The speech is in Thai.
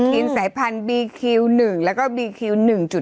โควิด๑๙สายพันธุ์บีคิว๑และบีคิว๑๑